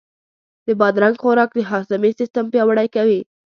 د بادرنګ خوراک د هاضمې سیستم پیاوړی کوي.